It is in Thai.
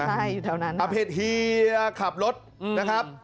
ใช่อยู่แถวนั้นอ่าเพจเฮียขับรถนะครับ